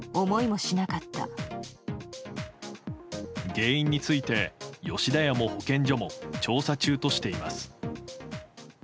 原因について吉田屋も保健所も調査中としています。